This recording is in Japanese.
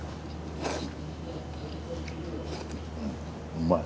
うまい。